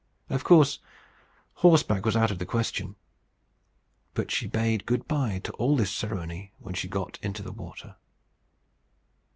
Of course horseback was out of the question. But she bade good bye to all this ceremony when she got into the water.